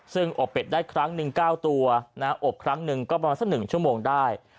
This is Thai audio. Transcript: ซึ่งอบเป็ดได้ครั้งหนึ่ง๙ตัวอบครั้งหนึ่งก็ประมาณสัก๑ชั่วโมงได้